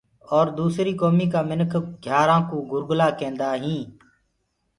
اور دوسريٚ ڪوميٚ ڪآ مِنک گھيآرآئون گرگلآ ڪيندآئين۔